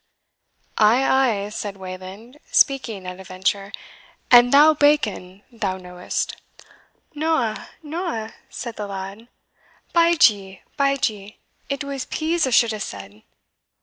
"Ay, ay," said Wayland, speaking at a venture; "and thou BACON, thou knowest." "Noa, noa," said the lad; "bide ye bide ye it was PEAS a should ha said."